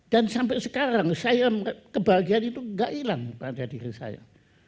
dan sampai sekarang kebahagiaan itu tidak hilang pada diri saya